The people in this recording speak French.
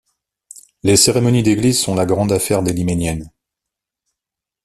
Les cérémonies d’église sont la grande affaire des Liméniennes.